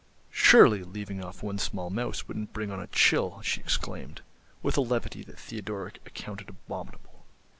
"Surely leaving off one small mouse wouldn't bring on a chill," she exclaimed, with a levity that Theodoric accounted abominable.